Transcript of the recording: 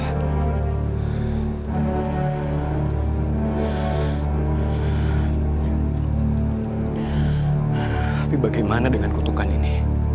tapi bagaimana dengan kutukan ini